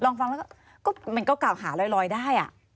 ลองฟังแล้วมันก็กล่าวขาลอยได้อ่ะ